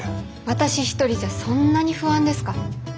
私一人じゃそんなに不安ですか？